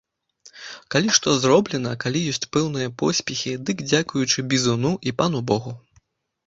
Калі што зроблена, калі ёсць пэўныя поспехі, дык дзякуючы бізуну і пану богу.